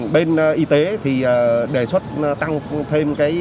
bên y tế thì đề xuất tăng thêm